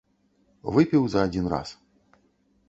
Выпіў за адзін раз.